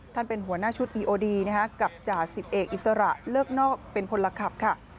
เป็นหัวหน้าชุดอีโอดีกับจ่าสิบเอกอิสระเลิกนอกเป็นพลขับค่ะ